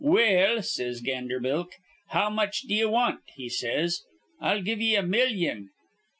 'Well,' says Ganderbilk, 'how much d'ye want?' he says. 'I'll give ye a millyon.'